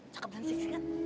cakep dan seksi kan